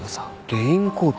レインコート？